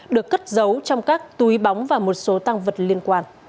được cất giấu trong các túi bóng và một số tăng vật liên quan